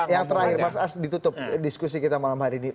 yang terakhir mas as ditutup diskusi kita malam hari ini